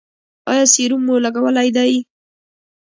ایا سیروم مو لګولی دی؟